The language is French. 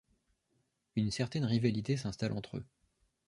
Une certaine rivalité s'installe entre eux.